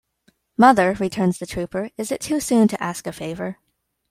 "Mother," returns the trooper, "is it too soon to ask a favour?"